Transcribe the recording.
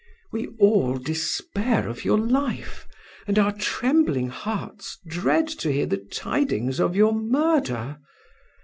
We all despair of your life, and our trembling hearts dread to hear the tidings of your murder.